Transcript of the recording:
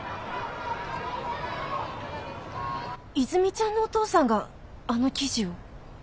和泉ちゃんのお父さんがあの記事を？